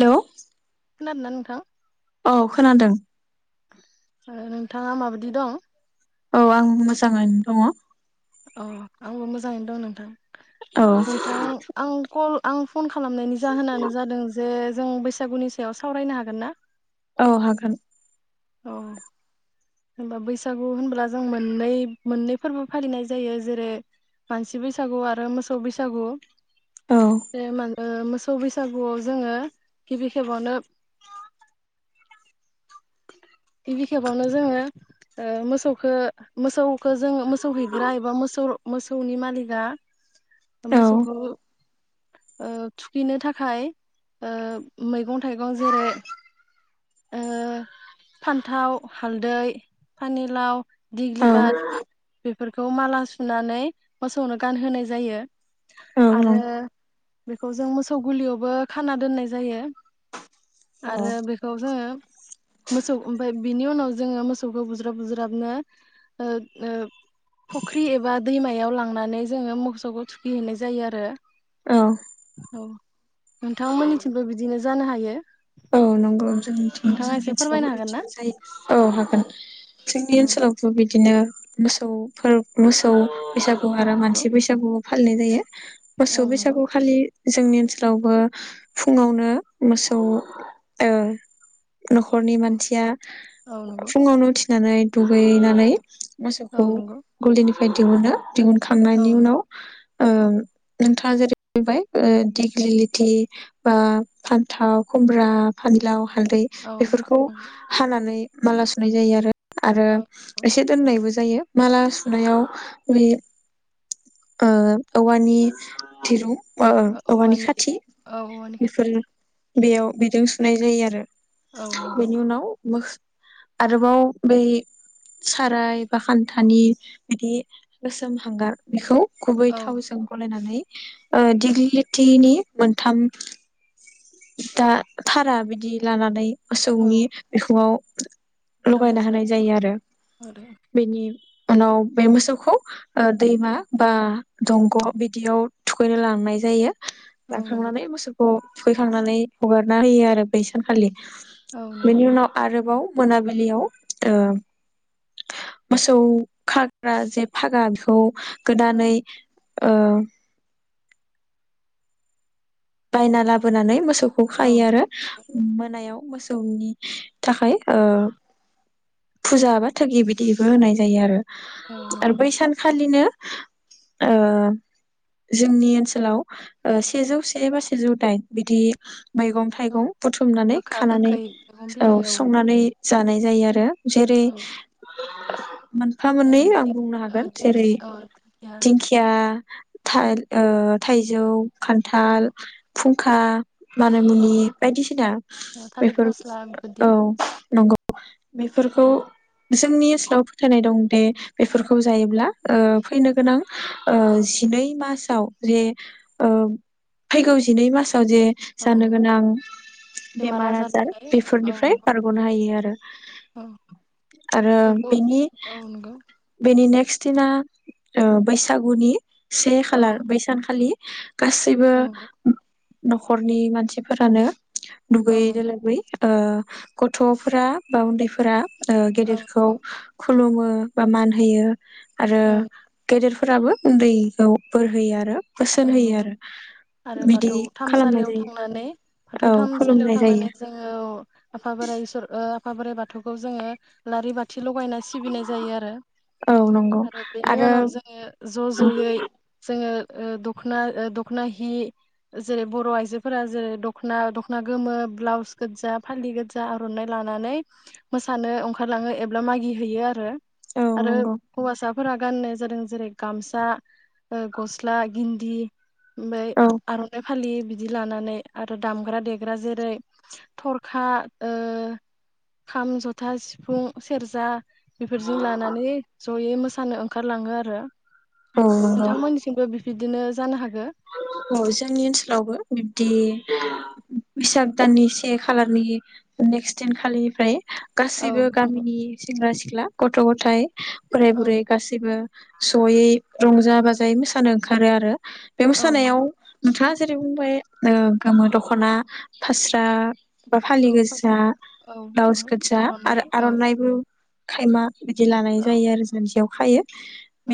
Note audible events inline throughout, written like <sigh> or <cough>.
हेल खोनादोंना नोंथां? औ खोनादों। नोंथाङा माबायदि दं? औ आं मोजाङैनो दङ। अ आंबो मोजाङैनो दं नोंथां। औ नोंथां आं कल आं फन खालामनायनि जाहोनानो जादों जे जों बैसागुनि सायाव सावरायनो हागोन ना औ हागोन औ होनबा बैसागु होनब्ला जों मोननै मोननै फोरबो फालिनाय जायो जेरै मानसि बैसागु आरो मोसौ बैसागु औ ए मान ओ मोसौ बैसागुआव जोङो गिबि खेबावनो गिबि खेबावनो जोङो ओ मोसौखो मोसौ खो जोंङो मोसौ हैग्रा एबा मोसौ मोसौनि मालिकआ ओ औ मोसौखो ओ थुखैनो थाखाय ओ मैगं थाइगं जेरै ओ फान्थाव, हालदै, फानिलाव औ दिग्लिपाट बेफोरखौ माला सु सुनानै मोसौनो गानहोनाय जायो नंगौ आरो बेखौ जों मोसौ गुलियावबो खाना दोननाय जायो औ आरो बेखौ जोंओ मोसौ ओमफ्राय बिनि उनाव जोङो मोसौखौ बुज्राब बुज्राबनो ओब ओब फुख्रि एबा दैमायाव लांनानै जोङो मोसौखौ थुखैहैनाय जायो आरो औ औ नोंथांमोननिथिंबो बिदिनो जानो हायो <inaudible> औ नंगौ जोंनिथिं नोंथाङा एसे जोंनि फोरमायनो बिदि हागोन ना जायो औ हागोन जोंनि औ ओनसोलावबो बिद बिदिनो मोसौफोर मोसौ बैसागु औ आरो नंगौ मानसि बैसागु फालिनाय जायो मोसौ औ नंगौ बैसागु खालि जोंनि ओनसोलावबो फुङावनो मोसौ औ न'खरनि मानसिया औ नंगौ फुङावनो उथि नानै दुगैनानै औ मोसौखौ नंगौ गलिनि बायदि मोनो औ दिहुनखांनायनि नंगौ उनाव ओ नोंथाङा जेरैबाय दिग्लिलिथि बा फान्थाव खुमब्रा, फानिलाव हालदै औ बेफोरखौ नंगौ हानानै माला सुनाय जायो आरो आरो औ नंगौ एसे दोननायबो जायो माला सुनायाव बे ओ औवानि दिरुं ओ औवानि खाथि औ औवानि खाथि बेफोरो बेयाव बिदों सुनाय जायो आरो। औ नंगौ बेनि उनाव मोखो आरोबाव बै साराय बा खान्थानि बिदि गोसोम हांगार बेखौ गुबै औ थावजों नंगौ गलायनानै दिगलिटिनि मोनथाम दा थारा बिदि लानानै औ मोसौनि बिखुङाव बुज्राब लगायना बुज्राब होनाय औ जायो आरो। आरो बेनि उनाव बे मोसौखौ ओ दैमा औ बा दंग' बिदियाव थुखैनो लांनाय जायो। औ नंगौ लांखांनानै मोसौ खौ थुखैखांनानै हगारना होयो आरो बैसानखालि। औ नंगौ बेनि उनाव आरोबाव मोनाबिलियाव ओ मोसौ खाग्रा जे फागा बेखौ औ गोदानै ओ बायना लाबोनानै मोस खौ औ खायो आरो। मोनायाव मोसौनि थाखाय ओ फुजा बा थोगि बिदिबो होनाय जायो आरो। औ आरो नंगौ बै सानखालिनो ओ जोंनि ओनसोलाव ओ सेजौ से एबा सेजौ दाइन बिदि मैगं औ थाइगं बुथुमनानै गोखा खानानै गोखै मैगं औ बिलाइ संनानै जानाय जायो आरो जेरै <inaudible> मोनफा ओ मोननै आं दिं बुंनो ओ हागोन दिंखि जेरै ओ दिंखिया दिंखिया थाल ओ ओ थाइजौ, औ खान्थाल फुंखा औ मानामुनि बायदिसिना ओ थालिर बेफोर फस्ला बेबायदि औ नंगौ। <inaudible> औ बेफोरखौ जोंनि ओनसोलाव फोथायनाय दंदि बेफोरखौ जायोब्ला फैनो गोनां जिनै मासाव जे ओ फैगौ जिनै मास जे औ नंगौ गोनां बेमार आजार आजारनिफ्राय औ बेफोरनिफ्राय नंगौ बारग'नो हायो आरो, औ आरो बेफोरखौ औ नंगौ बेनिनो फार्स्टदिना बैसागुनि से औ खालार बै सानखलि गासैबो औ नंगौ न'खरनि मानसिफोरानो औ नंगौ दुगैनोलागै ओ गथ'फोरा बा उन्दैफोरा ओ औ गेदेरखौ नंगौ खुलुमो बा मान होयो। आरो औ गेदेर फोराबो उन्दैखौ बोर होयो आरो औ बोसोन होयो नंगौ आरो आरो बिदि बाथौ खालामनाय थामसालियाव जायो थांनानै बाथौ औ थानसालियाव खुलुमनाय जायो थांनानै जोङो ओ आफा बोराइ इसोर आफा बोराइ बाथौखौ जों आलारि बाथि लगायनाय सिबिनाय जायो आरो औ नंगौ आरो बेनि उनाव जोङो ज' ज'यै जोङो ओ दखना दखना हि जेरै बर' आइजोफोरा जेरै दखना दखना गोमो ब्लाउस गोजा फालि गोजा आर'नाइ लानानै मोसानो ओंखारलाङो एब्ला मागि हैैयो आरो औ आरो नंगौ हौवासाफोरा गाननाय जादों जेरै गामसा ओ गस स्ला गिन्दि ओमबाय औ आर'नाय फालियो बि दि लानानै आरो दामग्रा देग्रा जेरै थरखा ओ खाम ज'था सिफुं सेरजा बेफोरजों लानानै जयै मोसा नो ओंखारलाङो आरो। औ नंगौ बिबदिनो जानो हागोन। औ जोंनि ओनसोलावबो बिबदि बैसाग दाननि से खालारनि नेक्स्ट दिन खालिनिफ्राय औ गासैबो नंगौ गामिनि सेंग्रा सिख्ला गथ' गथाय बोराय औ बुरै गासिबो ज'यै रंजा बाजायै मोसानो ओंखारो आरो। बे औ मोसानायाव नंगौ नोंथाङा जेरै बुंबाय ओ गोमो दख'ना फास्रा बा फालि औ गोसा फास्रा औ ब्लाउस नंगौ गोसा आरो आर'नाइ औ आर'नाइबो खायमा बिदि लानाय औ जायो आरो जानजियाव। ओमफायो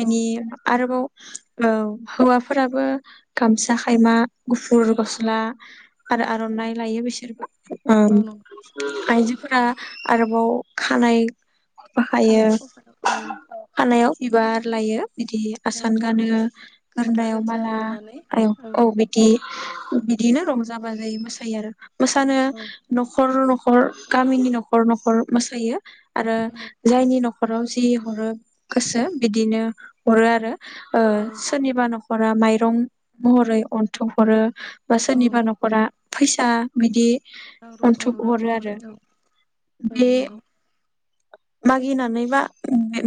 औ आरोबाव औ हौवाफोराबो गामसा खायमा गुफुर गस्ला औ आरो आर'नाइ लायो बेसो <inaudible> औ आइजोफोरा आरोबाव खानाय बो खायो खानाय खफा औ खानायाव बिबार लायो बिदि औ आसान गानो फथा गोरनायाव गोजा माला लानानै आयौ औ बिदि बिदिनो रंजा बाजायै मोसायो आरो मोसानो औ न'खर न' खर गामिनि न'खर न'खर मोसायो। आरो औ जायनि न' न'खराव जि हरो गोसो बिदिनो हरो आरो। औ सोरनिबा न' फोरा माइरं महरै अन्थोब हरो बा औ सोरनिबा न'खरा फैसा बिदि औ अन्थोब औ हरो आरो औ बे नंगौ मागिनानै बा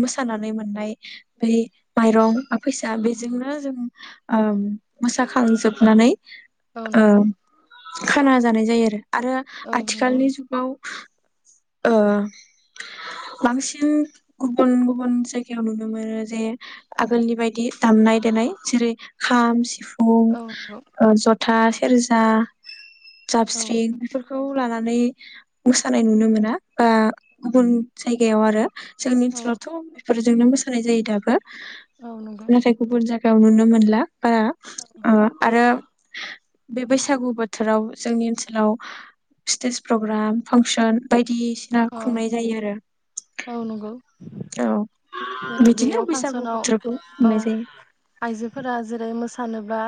मोसानानै मोननाय बे माइरं बा फैसा बेजोंनो जों मोसाखांजोबनानै औ ओ नंगौ खाना जानाय जायो आरो। आरो औ नंगौ आथिखालनि जुगाव ओ बांसिन गुबुन गुबुन जायगायाव नुनो मोनो जे आगोलनि बायदि दामनाय देनाय जेरै खाम, सि फुं औ नंगौ ओ जथ था, सेरजा औ जाबस्रिं खौ लानानै मोसानाय नुनो मोना बा गुबुन जायगायाव आरो जोंनि औ ओनसोलावथ' फोरजोंनो मोसानाय जायो दाबो। औ नंगौ नाथाय गुबुन जायगायाव नुनो मोनला बारा। ओ आरो बे बैसागु बोथोराव जोंनि ओनसोलाव स्टेज प्रग्राम, फांसन बाय दिसिना अ खुंनाय जायो आरो। औ नंगौ औ जेरै बिदिनो बेयाव बैसागु फांसनाव बोथोरखौ औ खुंनाय जायो आइजोफोरा जेरै मोसानो बा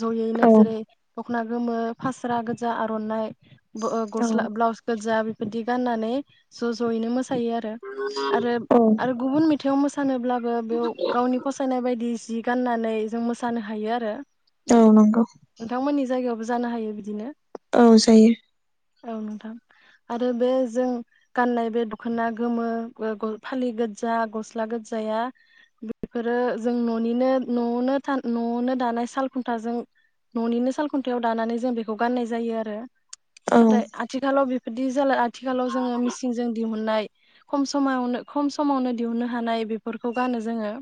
जयैनो औ जेरै दख'ना गोमो फास्रा गोजा आर'नाइ औ गस्ला ब्लाउज गोजा बिदि गाननानै ज'ज'यैनो मोसा थायो आरो औ आरो गुबुन मेथायाव मोसोनोब्ला बो बेयाव गावनि फसायनाय बायदि जि जि गाननानै जों मोसानो हायो आरो। औ नंगौ नोंथां मोननि जायगावबो जानो हायो बिदिनो। औ जायो। औ नोंथां आरो बे जों गाननाय बे दखना गोमो फालि गोजा गस स्ला गोजाया बेफोरो जों ननिनो नआवनो नआवनो दानाय साल खुन्थाजों ननिनो साल खुन्थायाव दानानै जों बेखौ गाननाय जायो आरो औ नाथाय आथिखालाव बि दि जालाय आ थिखालाव जोङो मिसिनजों दिहुननाय खम समायावनो खम समावनो दिहनो हानाय बेफोरखौ गानो जोङो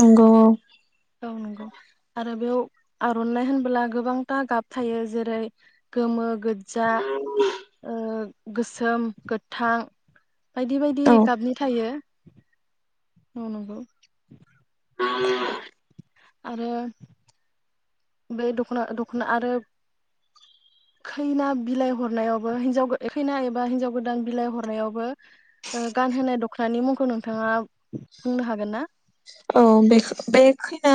नंगौ औ नंगौ आरो बेयाव आरनाइ होनबोला गोबांथा गाब थायो जेरै गोमो गो जा ओ गोसोम, गोथां बायदि बायदि औ औ गाबनि थायो औ नंगौ आरो बे दखना दखना आरो खैना बिलाइ हरनायावबो हिन्जाव गो खैना एबा हिनजाव गोदान बिलाइ हरनायावबो ओ गानहोनाय दखनानि मुंखौ नोंथाङा बुंनो हागोन ना? औ बे बे खैना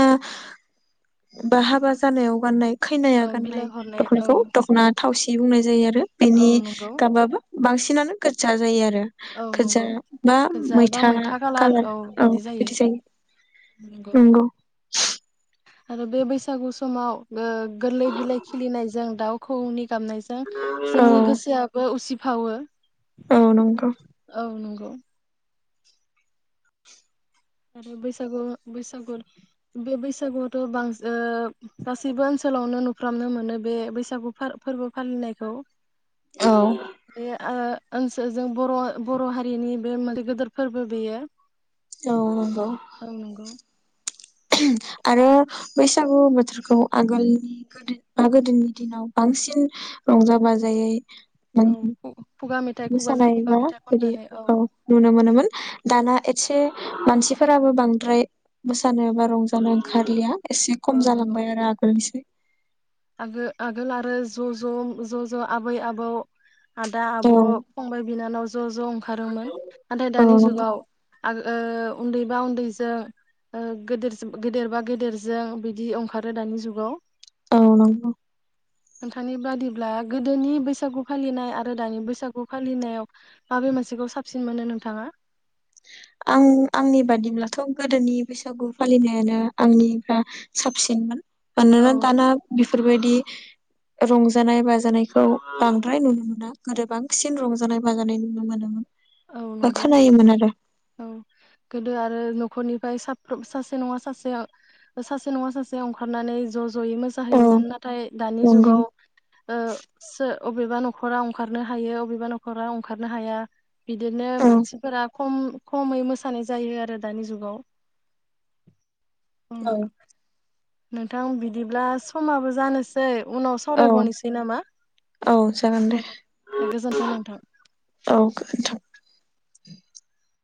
बा हाबा जानायाव गाननाय खैनाया ओ गाननाय बिलाइ हरनाय औ दखनायखौ दखना थावसि बे बुंनाय जायो आरो औ बिनि नंगौ गाबाबबो बांसिनानो गोजा जायो आरो औ गोजा नंगौ बा मैथा कालार औ बिदि जायो नंगौ आरो बे बैसागु समाव ओ गोरलै बिलाइ खिलिनायजों दाउ खौवौनि गाबनायजों औ जोंनि गोसोआबो उसि फावो औ नंगौ औ नंगौ आरो बैसागु बैसागु बे बैसागुआथ बांसिन ओ गासैबो ओनसोलावनो नुफ्रामनो मोनो बे बैसागु फोरबो फालिनायखौ औ बे ओ ओनसोल जों बर' बर' हारिनि बे मोनसे गोदोर फोरबो बेयो औ नंगौ औ नंगौ आरो बैसागु बोथोरखौ आगोलनि गोदो बा गोदोनि दिनाव बांसिन रंजा बाजायै औ खुगा मेथाइ खुगाजों मोसानाय खुगा बा मेथाइ बिदि खननानै औ नुनो मोनोमोन दाना एसे मानसिफोराबो बांद्राय मोसानो बा रंजानो ओंखारलिया एसे खम औ नंगौ जालांबाय आरो आगोलनिसै आगो आगोल आरो ज' ज' ज' ज' आबै आबौ आदा औ आब' फंबाय बिनानाव ज' ज' ओंखारोमोन नाथाय औ दानि नंगौ जुगाव आं ओ उन्दैबा उन्दैजों ओ गेदेर बा गेदेरजों बिदि ओंखारो दानि जुगाव औ नंगौ नोंथांनि बादिब्ला गोदोनि बैसागु फालिनाय आरो दानि बैसागु फालिनायाव माबे मोनसेखौ साबसिन मोनो नोंथाङा आं आंनि बादिब्लाथ' गोदोनि बैसागु फालिनायानो आंनिबा साबसिनमोन मानोना औ दाना बेफोरबायदि रंजानाय बाजानायखौ बांद्राय नुनो मोना गोदो बांसिन रंजानाय बाजानाय नुनो मोनोमोन अ नंगौ खोनायोमोन आरो औ गोदो आरो न'खरनिफ्राय साफ्र सासे नङा सासे सासे नङा सासे ओंखारनानै ज' ज' ज'यै औ मोसाहैयोमोन नाथाय दानि नंगौ जुगाव ओ सो अबेबा न'खरा ओंखारनो हायो अबेबा न'खरा ओंखारनो हाया बिदिनो औ मानसिफोरा खम खमै मोसानाय जायो आरो दानि जुगाव ओम औ नोंथां बिदिब्ला समाबो जानोसै उनाव औ सावरायबनोसै नामा औ जागोन दे गोजोनथों नोंथां औ गोजोनथों <inaudible>